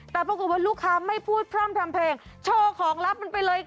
แต่ปรากฏว่าลูกค้าไม่พูดพร่ำทำเพลงโชว์ของลับมันไปเลยค่ะ